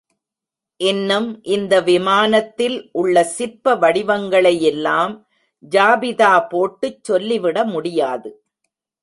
இன்னும் இந்த விமானத்தில் உள்ள சிற்ப வடிவங்களை யெல்லாம் ஜாபிதா போட்டுச் சொல்லி விட முடியாது.